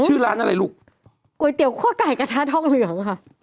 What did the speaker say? ก็ชื่อเขาด้วยแหละก๋วยเตี๋ยวขั้วไก่กระทะทองเหลือง